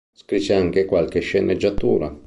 Scrisse anche qualche sceneggiatura.